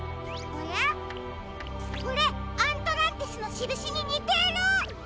これアントランティスのしるしににてる！